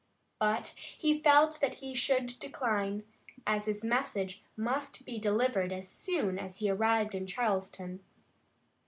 But he felt that he should decline, as his message must be delivered as soon as he arrived in Charleston.